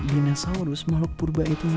terima kasih ya